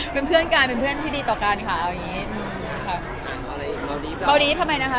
เป็นเพื่อนกันเป็นเพื่อนที่ดีต่อกันค่ะตอนนี้